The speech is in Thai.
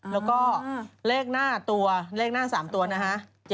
แล้วก็เลขหน้าตัว๓ตัวนะคะ